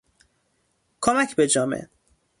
کمک به جامعه